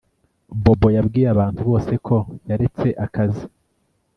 Bobo yabwiye abantu bose ko yaretse akazi